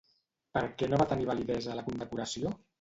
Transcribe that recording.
Per què no va tenir validesa la condecoració?